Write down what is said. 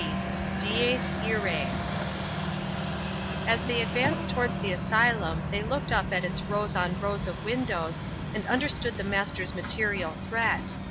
XX. DIES IRAE As they advanced towards the asylum they looked up at its rows on rows of windows, and understood the Master's material threat.